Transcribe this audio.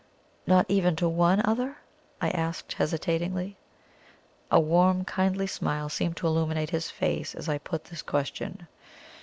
"Not even to one other?" I asked hesitatingly. A warm, kindly smile seemed to illuminate his face as I put this question.